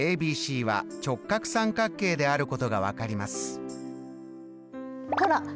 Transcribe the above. ＡＢＣは直角三角形であることが分かります。